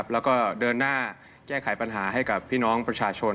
แล้วก็เดินหน้าแก้ไขปัญหาให้กับพี่น้องประชาชน